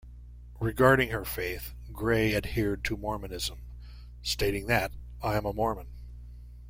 Regarding her faith, Grey adhered to Mormonism stating that, I am a Mormon.